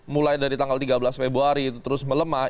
mulai dari tanggal tiga belas februari terus melemah